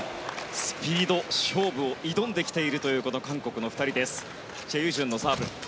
スピード勝負を挑んできている韓国の２人です。